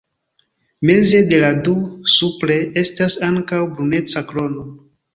Meze de la du, supre, estas ankaŭ bruneca krono.